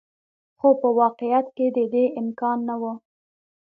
خو په واقعیت کې د دې امکان نه و.